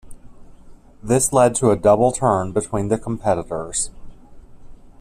This led to a double turn between the competitors.